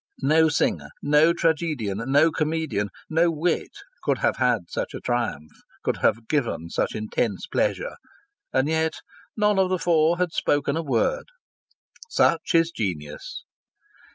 No singer, no tragedian, no comedian, no wit could have had such a triumph, could have given such intense pleasure. And yet none of the four had spoken a word. Such is genius.